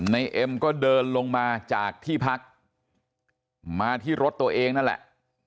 เอ็มก็เดินลงมาจากที่พักมาที่รถตัวเองนั่นแหละ